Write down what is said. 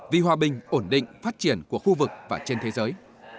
vì hòa bình ổn định phát triển của khu vực và trên thế giới